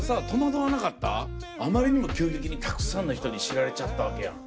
あまりにも急激にたくさんの人に知られちゃったわけやん。